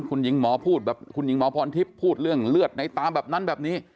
คุณหญิงหมอพูดแบบคุณหญิงหมอพรทิพย์พูดเรื่องเลือดในตามแบบนั้นแบบนี้